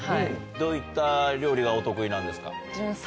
どういった料理がお得意なんですか？